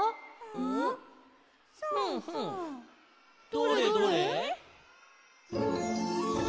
どれどれ？